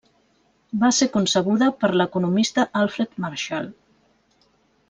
Va ser concebuda per l’economista Alfred Marshall.